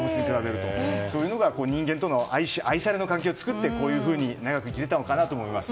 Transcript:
そういうことが人間との愛し愛されの関係を築きこういうふうに長く生きれたのかなと思います。